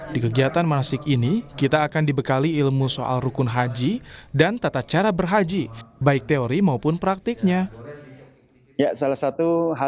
di kegiatan manasik ini kita akan dibekali ilmu soal rukun haji dan tata cara berhaji baik teori maupun praktiknya